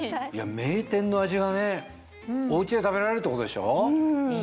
名店の味がねお家で食べられるってことでしょ？